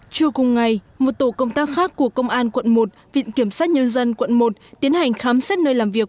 trưa cùng ngày một tổ công tác khác của công an quận một viện kiểm sát nhân dân quận một tiến hành khám xét nơi làm việc